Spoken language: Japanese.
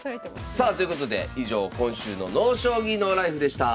さあということで以上今週の「ＮＯ将棋ＮＯＬＩＦＥ」でした。